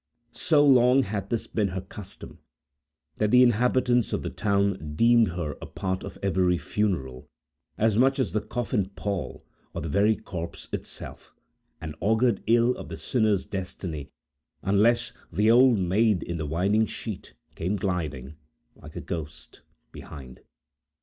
So long had this been her custom, that the inhabitants of the town deemed her a part of every funeral, as much as the coffin pall, or the very corpse itself, and augured ill of the sinner's destiny, unless the "Old Maid in the Winding Sheet" came gliding, like a ghost, behind.